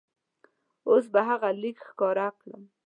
اوس به هغه لیک ښکاره کړم.